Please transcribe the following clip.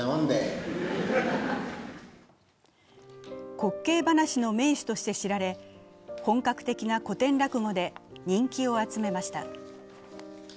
滑稽話の名手として知られ、本格的な古典落語で人気を集めました。